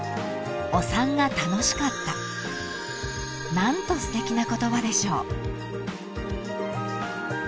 ［何とすてきな言葉でしょう］